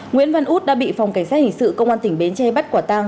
nguyễn văn út đã bị phòng cảnh sát hình sự công an tỉnh bến tre bắt quả tang